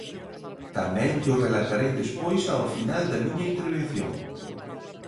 Tamén llo relatarei despois ao final da miña intervención.